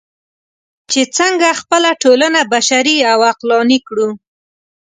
چې څنګه خپله ټولنه بشري او عقلاني کړو.